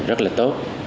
rất là tốt